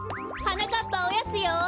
なかっぱおやつよ！